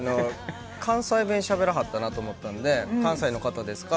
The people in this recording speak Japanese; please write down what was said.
関西弁しゃべりはったなと思って関西の方ですか？